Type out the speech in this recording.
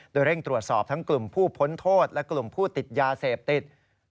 โดยเร่งตรวจสอบทั้งกลุ่มผู้พ้นโทษและกลุ่มผู้ติดยาเสพติด